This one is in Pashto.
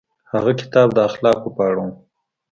هغه کتاب د اخلاقو په اړه و.